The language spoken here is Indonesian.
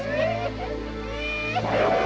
hei kau tangkap kami